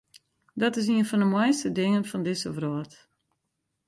Dat is ien fan de moaiste dingen fan dizze wrâld.